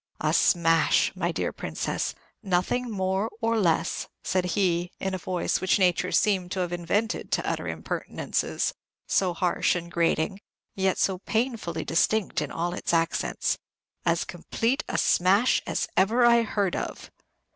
"A smash, my dear Princess, nothing more or less," said he, in a voice which nature seemed to have invented to utter impertinences, so harsh and grating, and yet so painfully distinct in all its accents, "as complete a smash as ever I heard of."